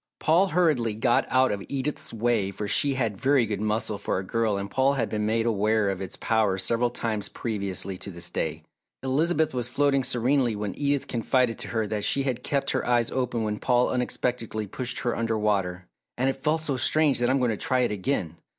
Paul hurriedly got out of Edith's way for she had very good muscle for a girl and Paul had been made aware of its power several times previously to this day. Elizabeth was floating serenely when Edith confided to her that she had kept her eyes open when Paul unexpectedly pushed her under water. "And it felt so strange that I'm going to try it again."